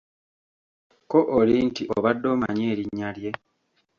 Ko oli nti Obadde omanyi erinnya lye?